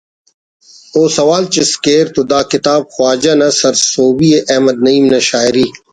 و سوال چست کیر تو دا کتاب خواجہ نا سرسہبی ءِ احمد نعیم نا شاعری